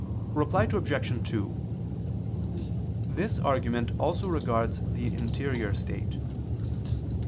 Reply Obj. 2: This argument also regards the interior state.